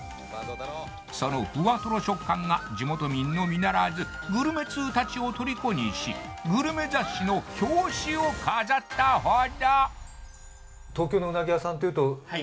そのふわとろ食感が地元民のみならずグルメ通達をとりこにしグルメ雑誌の表紙を飾ったほどそうですね